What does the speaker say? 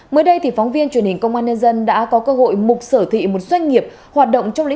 mới đây phóng viên truyền hình công an nhân dân đã có cơ hội mục sở thị một doanh nghiệp hoạt động